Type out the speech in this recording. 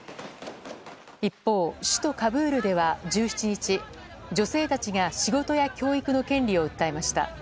一方、首都カブールでは１７日女性たちが仕事や教育の権利を訴えました。